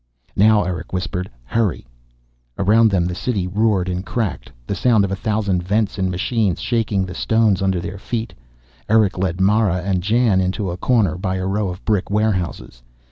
"Now," Erick whispered. "Hurry." Around them the City roared and cracked, the sound of a thousand vents and machines, shaking the stones under their feet. Erick led Mara and Jan into a corner, by a row of brick warehouses.